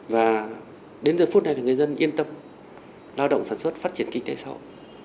và đến giờ phút này thì người dân yên tâm lao động sản xuất phát triển kinh tế xã hội